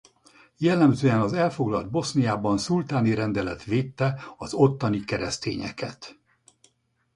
Jellemzően az elfoglalt Boszniában szultáni rendelet védte az ottani keresztényeket.